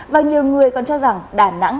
và nhiều người còn cho rằng đà nẵng